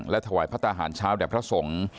และถวายพระตาหารชาวเด็กพระสงฆ์